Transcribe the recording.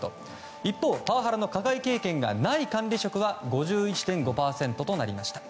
一方、パワハラの加害経験がない管理職は５１．５％となりました。